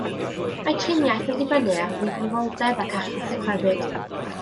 Mae triniaeth yn dibynnu ar ddifrifoldeb ac achos y clefyd.